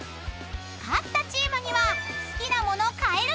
［勝ったチームには］